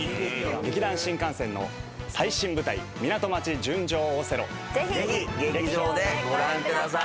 劇団☆新感線の最新舞台『ミナト町純情オセロ』ぜひ劇場でご覧ください。